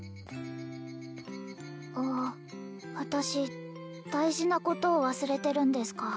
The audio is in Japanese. あ私大事なことを忘れてるんですか？